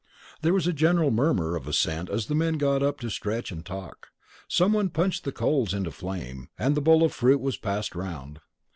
There was a general murmur of assent as the men got up to stretch and talk. Someone punched the coals into flame, and the bowl of fruit was passed round.